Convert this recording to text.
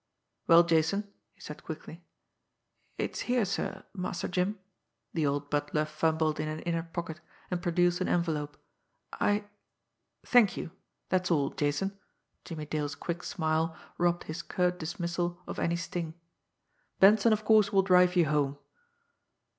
"Well, Jason?" he said quickly. "It's here, sir, Master Jim" the old butler fumbled in an inner pocket, and produced an envelope "I " "Thank you! That's all Jason." Jimmie Dale's quick smile robbed his curt dismissal of any sting. "Benson, of course, will drive you home."